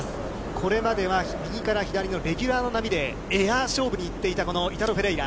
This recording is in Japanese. これまでは右から左のレギュラーの波で、エアー勝負にいっていたこのイタロ・フェレイラ。